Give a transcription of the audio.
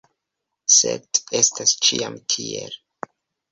Sed estas ĉiam tiel.